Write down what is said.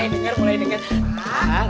dengar mulai denger